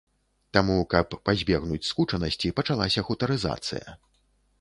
Таму, каб пазбегнуць скучанасці, пачалася хутарызацыя.